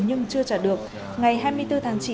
nhưng chưa trả được ngày hai mươi bốn tháng chín